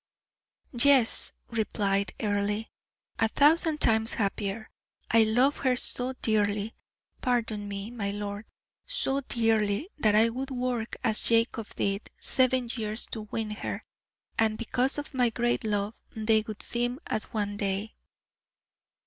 "Yes," replied Earle, "a thousand times happier. I love her so dearly pardon me, my lord so dearly, that I would work, as Jacob did, seven years to win her, and, because of my great love, they would seem as one day."